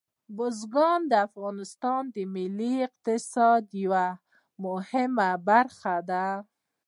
بزګان د افغانستان د ملي اقتصاد یوه مهمه برخه ده.